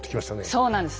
そうなんです。